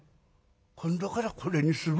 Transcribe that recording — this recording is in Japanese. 今度からこれにするべ。